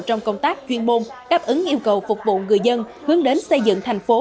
trong công tác chuyên môn đáp ứng yêu cầu phục vụ người dân hướng đến xây dựng thành phố